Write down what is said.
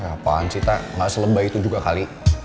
apaan sih tak ga selemba itu juga kali